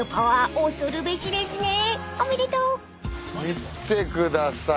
見てください。